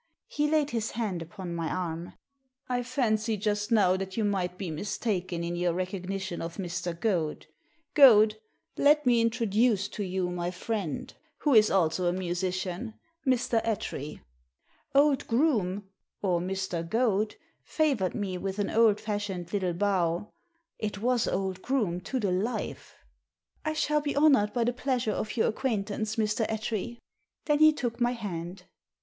He laid his hand upon my arm. *• I fancied, just now, that you might be mistaken Digitized by VjOOQIC 228 THE SEEN AND THE UNSEEN in your recognition of Mr. Goad Goad, let me introduce to you my friend, who is also a musician —Mr. Attree." Old Groome— or Mr. Goad — favoured me with an old fashioned little bow. It was old Groome to the life. "I shall be honoured by the pleasure of your acquaintance, Mr. Attree." Then he took my hand.